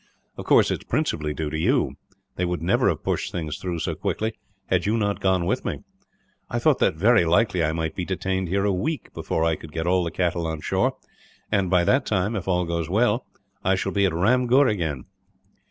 Of course, it is principally due to you. They would never have pushed things through so quickly, had you not gone with me. I thought that very likely I might be detained here a week, before I could get all the cattle on shore and by that time, if all goes well, I shall be at Ramgur again.